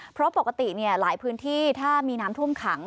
เพราะปกติหลายพื้นที่ถ้ามีน้ำท่วมขัง